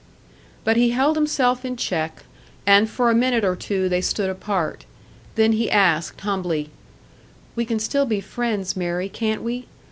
But he held himself in check, and for a minute or two they stood apart. Then he asked, humbly, "We can still be friends, Mary, can't we?